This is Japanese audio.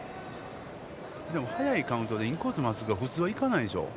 でも早いカウントでインコース真っすぐは、普通は行かないでしょう。